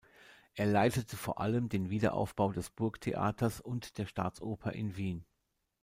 Er leitete vor allem den Wiederaufbau des Burgtheaters und der Staatsoper in Wien.